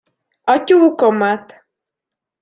A tyúkomat!